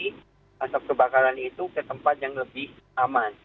jadi asap kebakaran itu ke tempat yang lebih aman